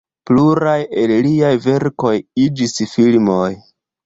Pluraj el liaj verkoj iĝis filmoj.